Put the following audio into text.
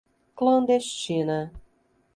clandestina